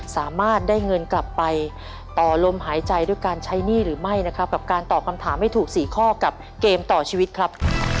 สามารถได้เงินกลับไปต่อลมหายใจด้วยการใช้หนี้หรือไม่นะครับกับการตอบคำถามให้ถูก๔ข้อกับเกมต่อชีวิตครับ